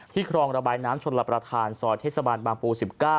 ที่ครองระบายน้ำชนลประทานซเทศบาลปรากภู๑๙